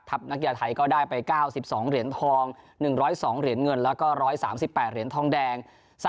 นักกีฬาไทยก็ได้ไป๙๒เหรียญทอง๑๐๒เหรียญเงินแล้วก็๑๓๘เหรียญทองแดง